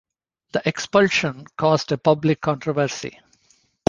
The expulsion caused a public controversy.